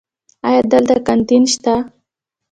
ایا دلته کانتین شته؟